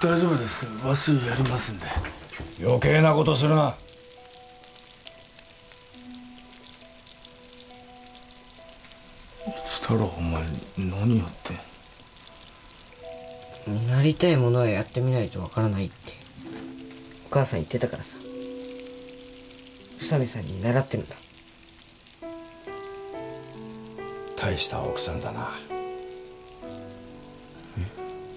大丈夫ですわしやりますんで余計なことするな一太郎お前何やってなりたいものはやってみないと分からないってお母さん言ってたからさ宇佐美さんに習ってるんだ大した奥さんだなえッ？